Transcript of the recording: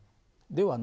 では